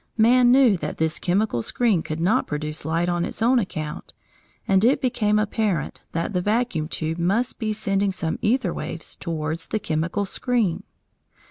Man knew that this chemical screen could not produce light on its own account, and it became apparent that the vacuum tube must be sending some æther waves towards the chemical screen.